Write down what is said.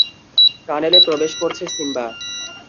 টানেলে প্রবেশ করছে সিম্বা!